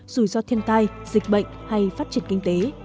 dù do thiên tai dịch bệnh hay phát triển kinh tế